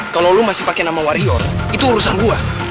kalau lu masih pakai nama wario itu urusan gue